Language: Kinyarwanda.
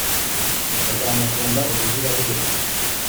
azamukunda ubuziraherezo